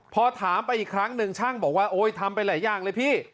พอถามไปอีกครั้งหนึ่งช่างบอกว่าโอ๊ยทำไปหลายอย่างเลยพี่